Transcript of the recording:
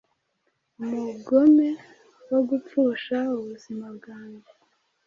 umugome wo gupfusha ubuzima bwanjye. '